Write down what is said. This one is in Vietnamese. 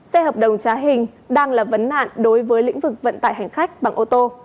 xe hợp đồng trá hình đang là vấn nạn đối với lĩnh vực vận tải hành khách bằng ô tô